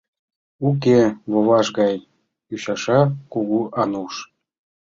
— Уке, воваж гай, — ӱчаша Кугу Ануш.